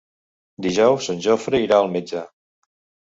Dijous en Jofre irà al metge.